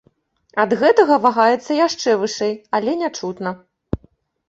Ад гэтага вагаецца яшчэ вышэй, але нячутна.